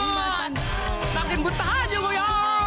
nanti muntah aja boyo